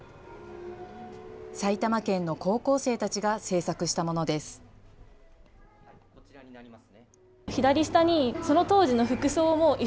埼玉県の高校生たちが制作したものです。